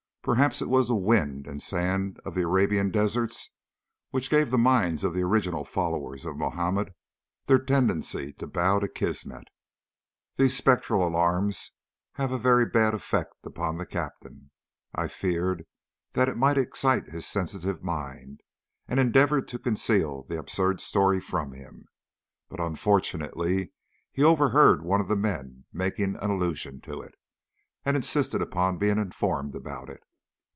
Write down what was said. Perhaps it was the wind and sand of the Arabian deserts which gave the minds of the original followers of Mahomet their tendency to bow to kismet. These spectral alarms have a very bad effect upon the Captain. I feared that it might excite his sensitive mind, and endeavoured to conceal the absurd story from him, but unfortunately he overheard one of the men making an allusion to it, and insisted upon being informed about it.